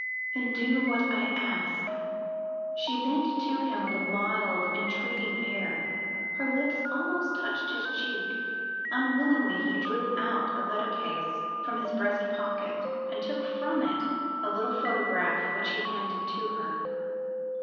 "Then do what I ask." She bent to him with a wild, entreating air; her lips almost touched his cheek. Unwillingly he drew out a letter case from his breast pocket, and took from it a little photograph which he handed to her.